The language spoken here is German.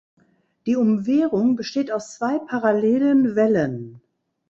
Die Umwehrung besteht aus zwei parallelen Wällen.